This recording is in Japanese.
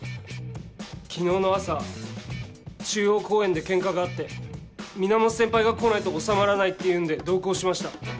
昨日の朝中央公園でケンカがあって源先輩が来ないと収まらないっていうんで同行しました。